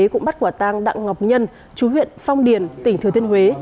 cũng bắt quả tang đặng ngọc nhân chú huyện phong điền tỉnh thừa thiên huế